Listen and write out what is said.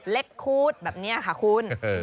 เล็กคูดแบบนี้ค่ะคุณ